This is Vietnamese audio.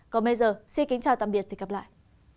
còn bây giờ xin kính chào tạm biệt và hẹn gặp lại